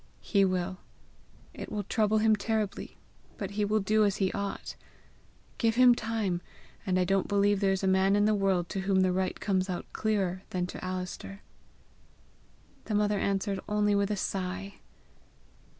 "He will. It will trouble him terribly, but he will do as he ought. Give him time and I don't believe there is a man in the world to whom the right comes out clearer than to Alister." The mother answered only with a sigh.